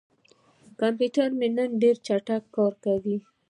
کمپیوټر مې نن ډېر چټک کار کاوه.